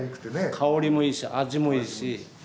香りもいいし味もいいし。